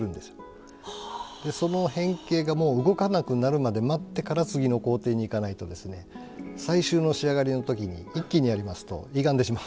その変形が動かなくなるまで待ってから次の工程にいかないとですね最終の仕上がりの時に一気にやりますといがんでしまうんです。